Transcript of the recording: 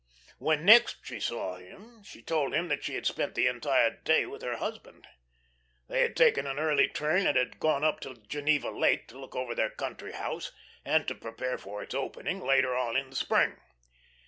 When next she saw him she told him that she had spent the entire day with her husband. They had taken an early train and had gone up to Geneva Lake to look over their country house, and to prepare for its opening, later on in the spring.